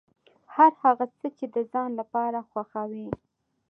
هر هغه څه چې د ځان لپاره خوښوې.